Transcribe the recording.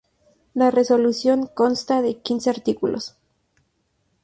La resolución consta de quince artículos.